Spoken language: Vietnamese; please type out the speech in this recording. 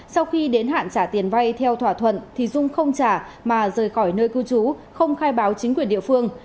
sau khi đến hạn trả tiền vay theo thỏa thuận thì dung không trả mà rời khỏi nơi cư trú không khai báo chính quyền địa phương